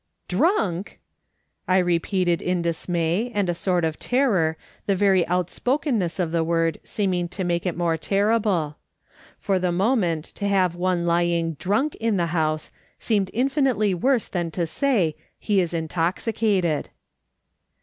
" Drunk !" I repeated in dismay and a sort of terror, the very outspokenness of the word seeming to make it more terrible ; for the moment to have one lying drunk in the house seemed infinitely worse than to say, " He is intoxicated."